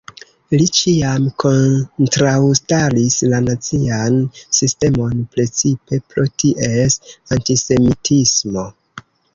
Li ĉiam kontraŭstaris la nazian sistemon, precipe pro ties antisemitismo.